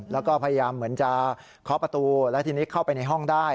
แล้วก็พยายามเหมือนจะเคาะประตูแล้วทีนี้เข้าไปในห้องได้